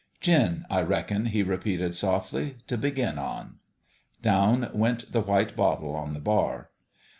" Gin, I reckon," he repeated, softly, " t' begin on." Down went the white bottle on the bar.